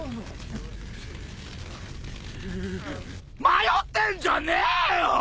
迷ってんじゃねえよ！